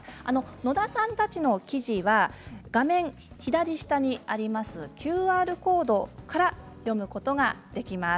野田さんたちの記事は画面左下にあるＱＲコードからも読むことができます。